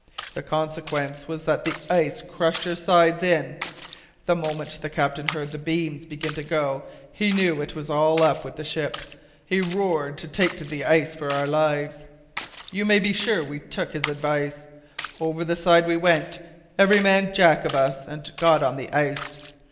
The consequence was that the ice crushed her sides in. The moment the captain heard the beams begin to go he knew it was all up with the ship; so he roared to take to the ice for our lives! You may be sure we took his advice. Over the side we went, every man Jack of us, and got on the ice.